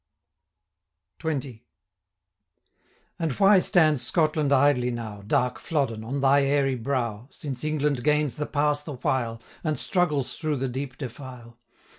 XX. And why stands Scotland idly now, Dark Flodden! on thy airy brow, Since England gains the pass the while, 600 And struggles through the deep defile?